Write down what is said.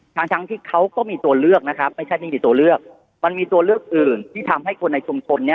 ทั้งทั้งที่เขาก็มีตัวเลือกนะครับไม่ใช่ไม่มีตัวเลือกมันมีตัวเลือกอื่นที่ทำให้คนในชุมชนเนี้ย